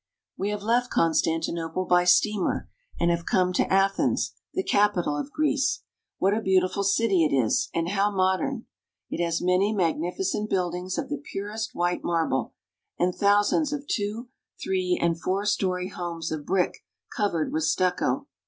We have left Constantinople by steamer, and have come to Athens, the capital of Greece. What a beautiful city it is, and how modern ! It has many magnificent build ings of the purest white marble, and thousands of two, three, and four story houses of brick covered with stucco.